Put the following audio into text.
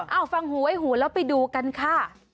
เอาฟังหูไว้หูแล้วไปดูกันค่ะ